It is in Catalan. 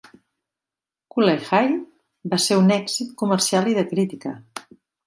"Cooley High" va ser un èxit comercial i de crítica.